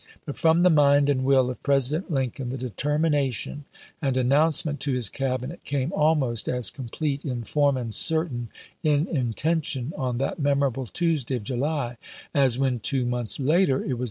But from the mind and will of President Lincoln the determination and an nouncement to his Cabinet came almost as complete in form and certain in intention on that memorable July 22 Tuesday of July as when, two months later, it was 1862.